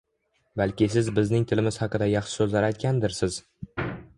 Balki siz bizning tilimiz haqida yaxshi so'zlar aytgandirsiz